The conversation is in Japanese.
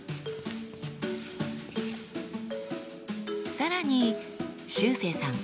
更にしゅうせいさん